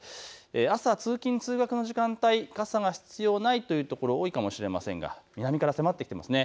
朝、通勤通学の時間帯傘が必要ないという所、多いかもしれませんが南から迫ってきます。